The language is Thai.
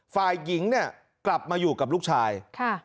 ฝ่ายหญิงเนี่ยกลับมาอยู่กับลูกชาย